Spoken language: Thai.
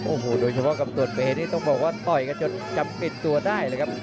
โอ้โหโดยเฉพาะกับตัวเฟสต้องบอกว่าต่อยกับจนจำกลิ่นตัวได้เลยครับ